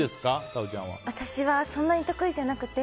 私は、そんなに得意じゃなくて。